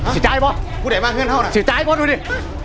สิจ่ายบ่สิจ่ายบ่ดูดิ